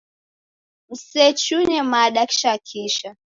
Musechuye mada kisha kisha.